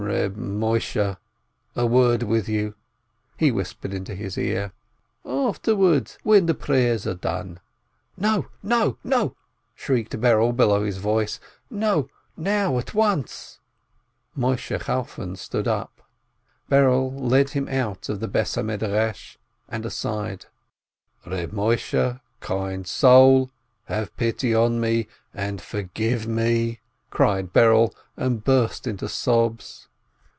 "Reb Moisheh, a word with you," he whispered into his ear. "Afterwards, when the prayers are done." "No, no, no !" shrieked Berel, below his breath, "now, at once !" Moisheh Chalfon stood up. Berel led him out of the house of study, and aside. "Reb Moisheh, kind soul, have pity on me and forgive me !" cried Berel, and burst into sobs.